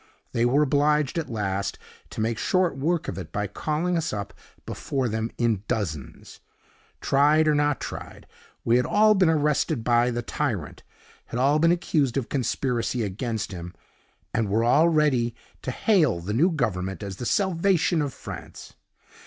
They were obliged, at last, to make short work of it by calling us up before them in dozens. Tried or not tried, we had all been arrested by the tyrant, had all been accused of conspiracy against him, and were all ready to hail the new Government as the salvation of France.